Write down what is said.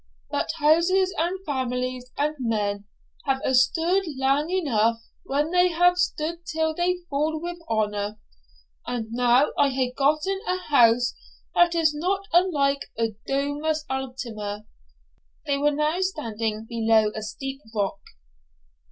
But houses and families and men have a' stood lang eneugh when they have stood till they fall with honour; and now I hae gotten a house that is not unlike a domus ultima' they were now standing below a steep rock.